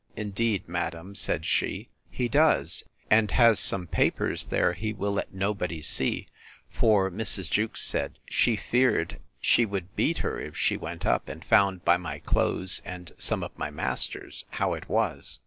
Indeed, madam, said she, he does; and has some papers there he will let nobody see; for Mrs. Jewkes said, she feared she would beat her if she went up, and found by my clothes, and some of my master's, how it was.